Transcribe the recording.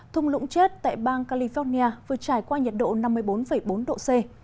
thùng lũng chết tại bang california vừa trải qua nhiệt độ năm mươi bốn bốn độ c